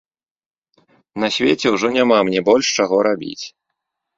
На свеце ўжо няма мне больш чаго рабіць.